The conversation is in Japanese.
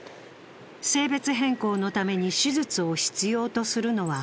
性別変更のために手術を必要とするのは